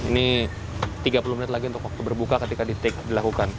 ini tiga puluh menit lagi untuk waktu berbuka ketika di take dilakukan